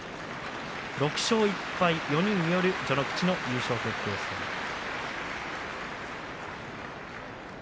６勝１敗、４人による序ノ口の優勝決定戦です。